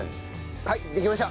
はいできました。